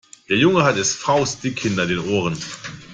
Der Junge hat es faustdick hinter den Ohren.